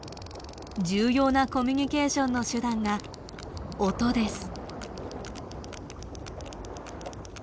重要なコミュニケーションの手段が音です。